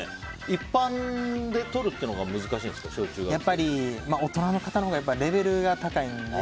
一般でとるっていうのがやっぱり大人の方のほうがレベルが高いので。